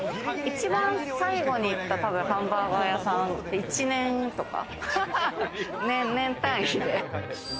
一番最後に行ったハンバーガー屋さん、１年とか、年単位で。